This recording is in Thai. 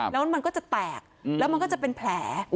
แล้วมันก็จะแตกแล้วมันก็จะเป็นแผล